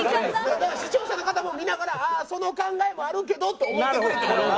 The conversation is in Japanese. だから視聴者の方も見ながらああその考えもあるけどと思ってくれても。